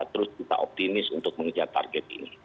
terus kita optimis untuk mengejar target ini